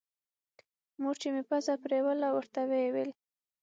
مور چې مې پزه پرېوله ورته ويې ويل.